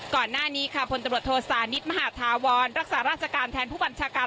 ก่อนหน้านี้ค่ะพลตำรวจโทษานิทมหาธาวรรักษาราชการแทนผู้บัญชาการ